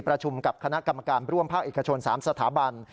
ประชุมกับคณะกรรมการร่วมภาคเอกชน๓สถาบัน